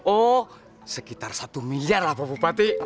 oh sekitar satu miliar lah pak bupati